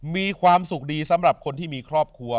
มีความสุขดีสำหรับคนที่มีครอบครัว